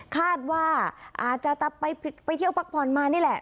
คาดว่าอาจจะไปเที่ยวพักผ่อนมานี่แหละ